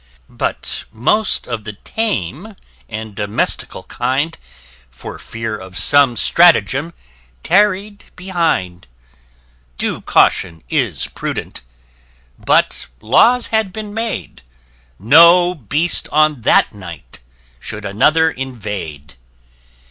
_] But most of the tame and domestical kind, [p 9] For fear of some stratagem, tarried behind. Due caution is prudent! but laws had been made No Beast, on that night, should another invade.